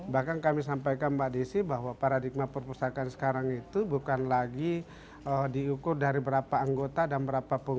bahkan kami sampaikan mbak desi bahwa paradigma perpustakaan sekarang itu bukan lagi diukur dari berapa anggota dan berapa pengusaha